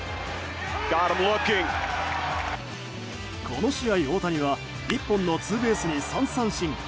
この試合、大谷は１本のツーベースに３三振。